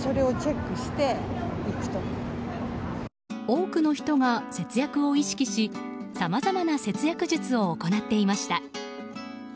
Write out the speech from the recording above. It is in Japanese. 多くの人が節約を意識しさまざまな節約術を行っていました。